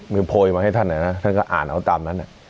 โพยมาให้ท่านนะท่านก็อ่านเอาตามนั้น